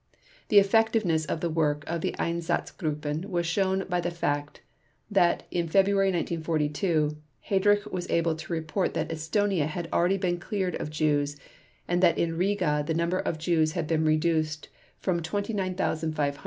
The effectiveness of the work of the Einsatzgruppen is shown by the fact that in February 1942 Heydrich was able to report that Estonia had already been cleared of Jews and that in Riga the number of Jews had been reduced from 29,500 to 2,500.